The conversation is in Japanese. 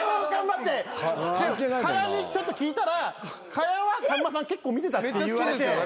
賀屋にちょっと聞いたら賀屋はさんまさん結構見てたって言われて。